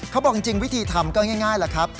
เขาบอกจริงวิธีทำก็ง่ายแหละครับ